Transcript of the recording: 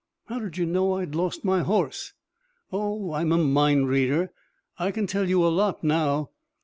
"How did you know I'd lost my horse?" "Oh, I'm a mind reader. I can tell you a lot now.